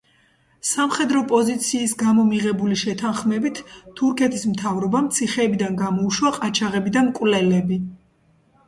სამხედრო პოზიციის გამო მიღებული შეთანხმებით თურქეთის მთავრობამ ციხეებიდან გამოუშვა ყაჩაღები და მკვლელები.